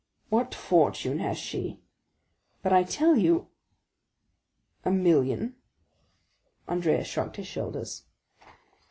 "What fortune has she?" "But I tell you——" "A million?" Andrea shrugged his shoulders.